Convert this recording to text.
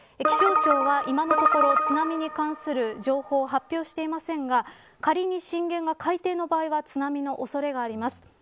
気象庁は今のところ津波に関する情報を発表していませんが仮に震源が海底の場合は津波の恐れがあります。